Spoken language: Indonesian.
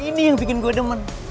ini yang bikin gue demen